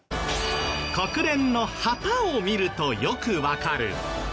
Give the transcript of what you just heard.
国連の旗を見るとよくわかる。